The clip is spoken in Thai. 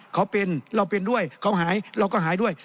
เขาเป็นเราเป็นด้วยเขาหายเราก็หายด้วย